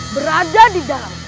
berada di dalam kekuasaan